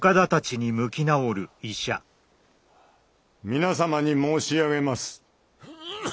皆様に申し上げます。